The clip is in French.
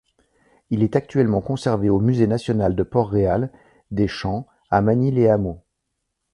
Il est actuellement conservé au musée national de Port-Royal des Champs à Magny-les-Hameaux.